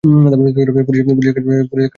Police একাডেমীতে আপনার বই পড়েছি।